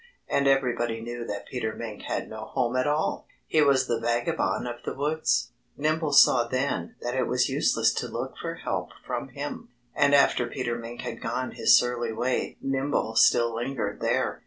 And everybody knew that Peter Mink had no home at all! He was the vagabond of the woods. Nimble saw then that it was useless to look for help from him. And after Peter Mink had gone his surly way Nimble still lingered there.